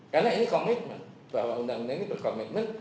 karena ini komitmen bahwa undang undang ini berkomitmen